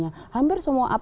yang memiliki hak milik